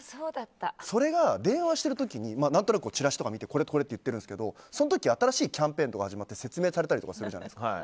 それが、電話してる時に何となくチラシとか見てこれこれって言ってるんですけどその時、新しいキャンペーンとか始まって説明されたりするじゃないですか。